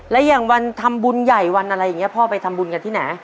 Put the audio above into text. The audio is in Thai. และอย่างวันทำบุญใหญ่วันอะไรอย่างนี้พ่อไปทำบุญกันที่ไหน